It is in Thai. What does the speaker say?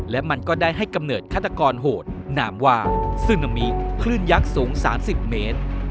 และมันก็ได้ให้กำเนิดฆาตกรโหดหนามวาซึนามิคลื่นยักษ์สูง๓๐เมตร